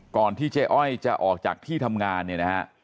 ก่อนที่เจ๊อ้อยจะออกจากที่ทำงาน